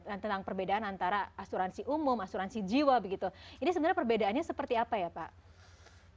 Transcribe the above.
tentang perbedaan antara asuransi umum asuransi jiwa begitu ini sebenarnya perbedaannya seperti apa ya pak